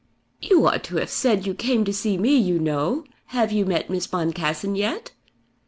"You ought to have said you came to see me, you know. Have you met Miss Boncassen yet?"